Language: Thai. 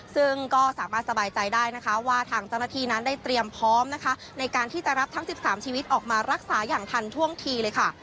ซึ่งก็สามารถสบายใจได้นะคะว่าทางเจ้าหน้าที่นั้นได้เตรียมพร้อมนะคะในการที่จะรับทั้ง๑๓ชีวิตออกมารักษาอย่างทันท่วงทีเลยค่ะ